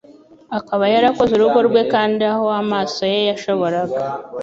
akaba yarakoze urugo rwe kandi aho amaso ye yashoboraga